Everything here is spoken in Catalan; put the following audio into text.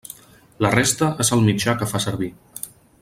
La resta és el mitjà que fa servir.